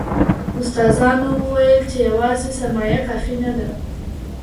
استادانو وويل چې يوازې سرمايه کافي نه ده.